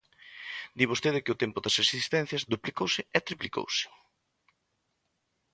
Di vostede que o tempo das asistencias duplicouse e triplicouse.